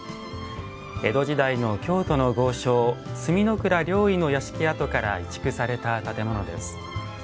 江戸時代の京都の豪商角倉了以の屋敷跡から移築された建物です。